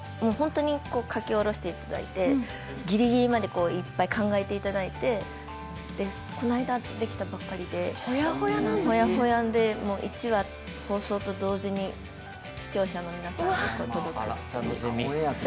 書き下ろしていただいて、ギリギリまでいっぱい考えていただいて、この間できたばっかりで、ほやほやで１話放送と同時に視聴者の皆さんに届ける形で。